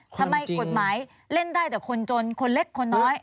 กฎหมายเล่นได้แต่คนจนคนเล็กคนน้อย